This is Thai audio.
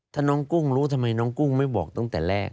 ถ้าน้องกุ้งรู้ทำไมน้องกุ้งไม่บอกตั้งแต่แรก